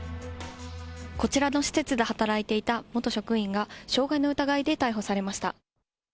こちらの施設で働いていた元職員が、傷害の疑いで逮捕されました。